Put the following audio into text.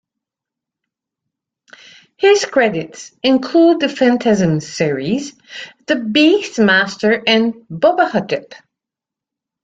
His credits include the "Phantasm" series, "The Beastmaster", and "Bubba Ho-Tep".